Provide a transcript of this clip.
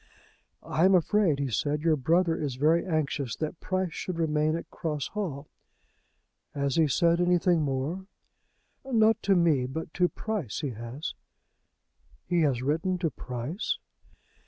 "I am afraid," he said, "your brother is very anxious that Price should remain at Cross Hall." "Has he said anything more?" "Not to me; but to Price he has." "He has written to Price?"